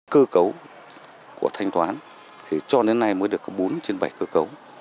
cơ cấu của thanh toán thì cho đến nay mới được có bốn trên bảy cơ cấu